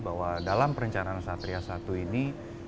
bahwa dalam perencanaan satria satu ini